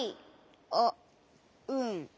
あっうん。